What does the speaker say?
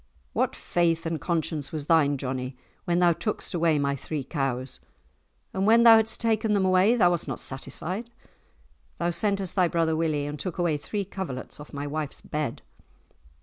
What faith and conscience was thine, Johnie, when thou tookest away my three cows? And when thou hadst taken them away, thou wast not satisfied. Thou sentest thy brother Willie, and took away three coverlets off my wife's bed!"